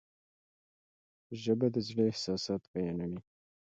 ژبه د زړه احساسات بیانوي.